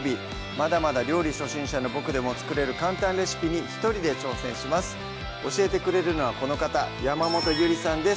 まだまだ料理初心者のボクでも作れる簡単レシピに一人で挑戦します教えてくれるのはこの方山本ゆりさんです